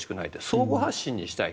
相互発信にしたい